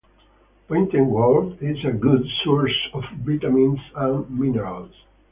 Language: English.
Pointed gourd is a good source of vitamins and minerals.